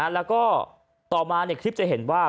แล้วก็ต่อมาคลิปจะเห็นว่า